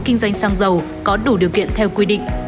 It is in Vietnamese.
kinh doanh xăng dầu có đủ điều kiện theo quy định